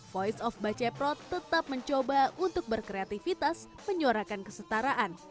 voice of baceprot tetap mencoba untuk berkreativitas menyuarakan kesetaraan